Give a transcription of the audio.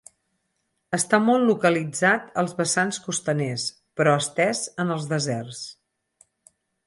Està molt localitzat als vessants costaners, però estès en els deserts.